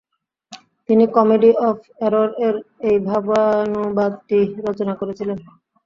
তিনি comedy of এরর-এর এই ভাবানুবাদটি রচনা করেছিলেন।